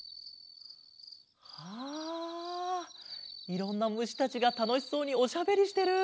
あいろんなむしたちがたのしそうにおしゃべりしてる！